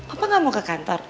apa nggak mau ke kantor